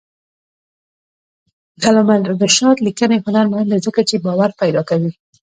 د علامه رشاد لیکنی هنر مهم دی ځکه چې باور پیدا کوي.